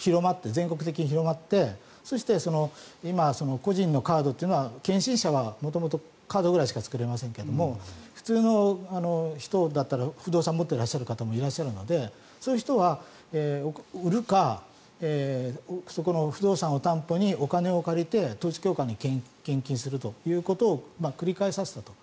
全国的に広まってそして今、個人のカードは献身者は元々カードぐらいしか作れませんが普通の人だったら不動産を持っていらっしゃる方もいらっしゃるのでそういう人は売るかそこの不動産を担保にお金を借りて統一教会に献金するということを繰り返させたと。